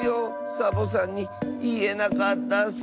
サボさんにいえなかったッス。